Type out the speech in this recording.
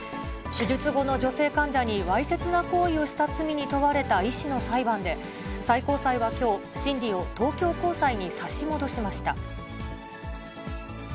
手術後の女性患者にわいせつな行為をした罪に問われた医師の裁判で、最高裁はきょう、審理を東京高裁に差し戻しました。